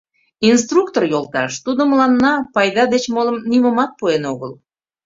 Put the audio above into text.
Инструктор йолташ, тудо мыланна пайда деч молым нимомат пуэн огыл.